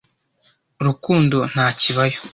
Rukundo ntakibayo.